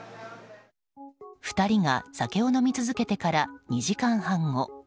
２人が酒を飲み続けてから２時間半後。